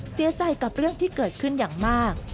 เสียใจกับเรื่องที่เกิดขึ้นอย่างมาก